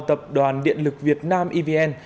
tập đoàn điện lực việt nam evn